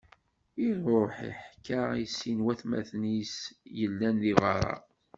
Iṛuḥ iḥka i sin n watmaten-is yellan di beṛṛa.